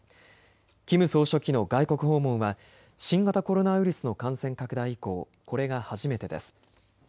キム総書記の外国訪問は新型コロナウイルスの感染拡大以降、これが初めてです。